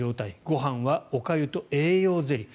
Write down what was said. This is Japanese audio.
ご飯はおかゆと栄養ゼリー。